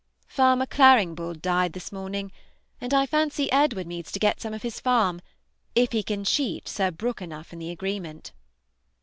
Farmer Claringbould died this morning, and I fancy Edward means to get some of his farm, if he can cheat Sir Brook enough in the agreement.